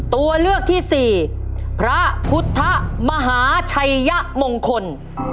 ตัวเลือกที่สี่พระพุทธมหาชัยมงคล